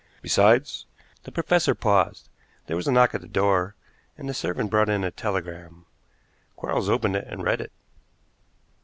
Besides " The professor paused. There was a knock at the door, and the servant brought in a telegram. Quarles opened it and read it.